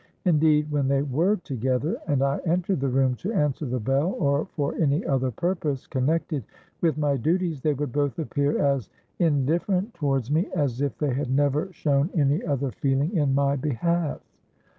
Indeed, when they were together, and I entered the room to answer the bell or for any other purpose connected with my duties, they would both appear as indifferent towards me as if they had never shown any other feeling in my behalf.